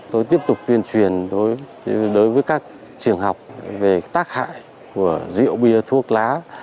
tôi tiếp tục tuyên truyền đối với các trường học về tác hại của rượu bia thuốc lá